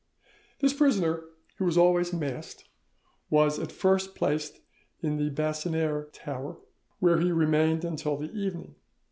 This prisoner, who was always masked, was at first placed in the Bassiniere tower, where he remained until the evening.